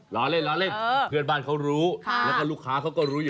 มันเลื้อตามเลย